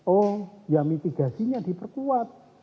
oh ya mitigasinya diperkuat